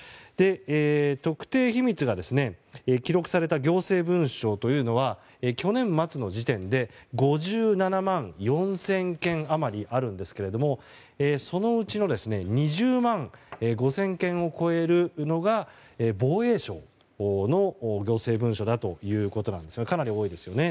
特定秘密が記録された行政文書というのは去年末の時点で５７万４０００件余りあるんですけどもそのうちの２０万５０００件を超えるのが防衛省の行政文書だということなんですがかなり多いですよね。